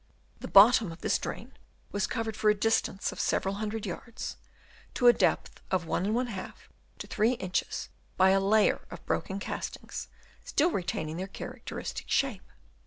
The bottom of this drain was covered for a distance of several hundred yards, to a depth of from 1^ to 3 inches, by a layer of broken castings, still retaining their characteristic shape.